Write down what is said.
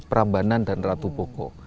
prambanan dan ratu boko